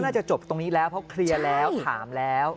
น่าจะจบตรงนี้แล้วเพราะเคลียร์แล้วถามแล้ว